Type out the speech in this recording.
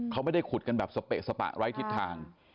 เขาไม่ได้ขุดกันแบบสเปะสปะไร้ทิศทาง